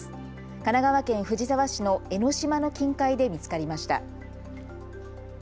神奈川県藤沢市の江の島の近海で見つかりました。